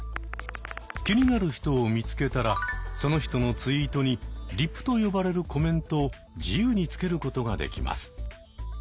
気になる人を見つけたらその人のツイートに「リプ」と呼ばれるコメントを自由につけることができます。